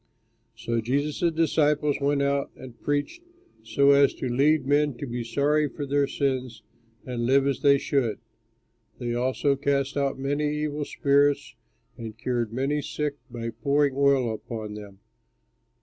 So Jesus' disciples went out and preached so as to lead men to be sorry for their sins and live as they should. They also cast out many evil spirits and cured many sick by pouring oil upon them.